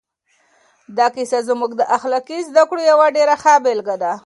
دا کیسه زموږ د اخلاقي زده کړو یوه ډېره ښه بېلګه ده.